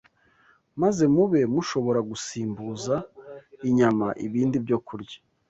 maze mube mushobora gusimbuza inyama ibindi byokurya